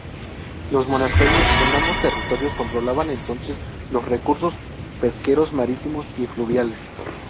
Los monasterios, en ambos territorios, controlaban entonces los recursos pesqueros marítimos y fluviales.